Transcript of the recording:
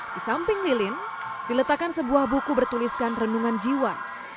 di samping lilin diletakkan sebuah buku bertuliskan rendungan jiwa